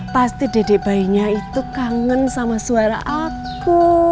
pasti dedik bayinya itu kangen sama suara aku